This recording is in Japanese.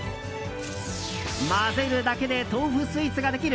混ぜるだけで豆腐スイーツができる